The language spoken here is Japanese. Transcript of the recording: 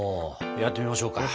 やってみましょう。